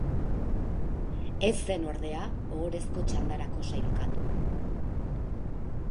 Ez zen ordea ohorezko txandarako sailkatu.